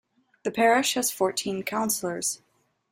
The parish has fourteen councillors.